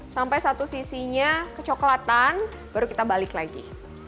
sampai satu sisinya kecoklatan baru kita balik lagi